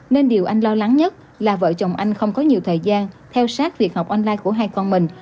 nên điều anh lo lắng nhất là vợ chồng anh không có nhiều thời gian theo sát việc học online của hai con mình